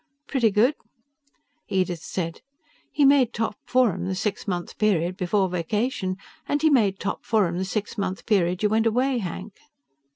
"Pretty good." Edith said, "He made top forum the six month period before vacation, and he made top forum the six month period you went away, Hank."